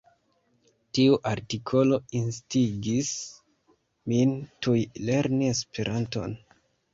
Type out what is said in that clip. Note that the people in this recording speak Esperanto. Tiu artikolo instigis min tuj lerni Esperanton.